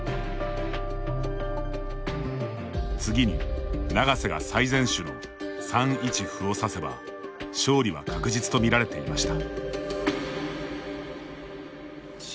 次に永瀬が最善手の３一歩を指せば勝利は確実とみられていました。